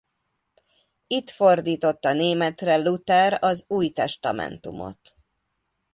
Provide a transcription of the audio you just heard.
Itt fordította németre Luther az Újtestamentumot.